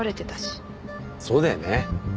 そうだよね。